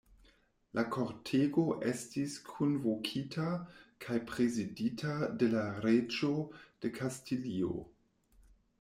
La kortego estis kunvokita kaj prezidita de la reĝo de Kastilio.